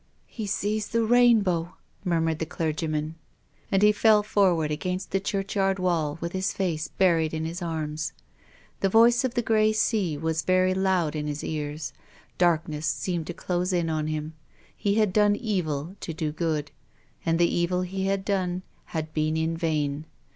" He sees the rainbow !" murmured the clergy man. And he fell forward against the churchyard wall with his face buried in his arms. The voice of the grey sea was very loud in his ears. Darkness seemed to close in on him. He had done evil to do good, and the evil he had done had been in vain.